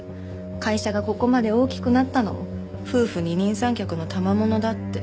会社がここまで大きくなったのも夫婦二人三脚のたまものだって。